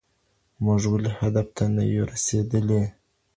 موږ ولي هدف ته نه يو رسېدلي؟